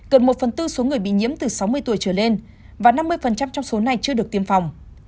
gần một phần tư số người bị nhiễm từ sáu mươi tuổi trở lên và năm mươi trong số này chưa được tiêm phòng